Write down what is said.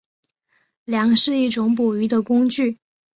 梁是一种捕鱼的工具。